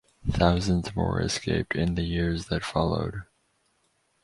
Thousands more escaped in the years that followed.